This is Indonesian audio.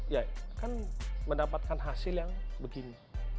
ya kan mendapatkan hasil yang begini